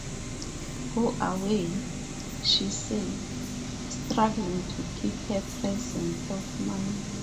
“Go away,” she said, struggling to keep her presence of mind.